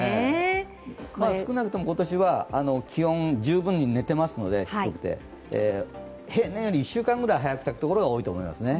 少なくとも今年は気温、十分に寝ていますので平年より１週間ぐらい早く咲くところが多いと思いますね。